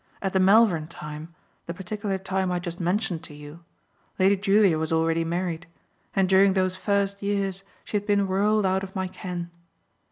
At the Malvern time, the particular time I just mentioned to you, Lady Julia was already married, and during those first years she had been whirled out of my ken.